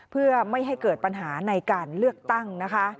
เพื่อไม่ให้เกิดปัญหาในการเลือกตั้งนะคะ